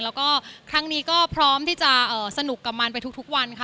แล้วก็ครั้งนี้ก็พร้อมที่จะสนุกกับมันไปทุกวันค่ะ